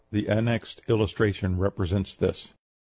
The annexed illustration represents this.